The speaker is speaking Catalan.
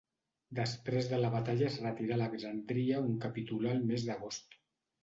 Després de la batalla es retirà a Alexandria on capitulà el mes d'agost.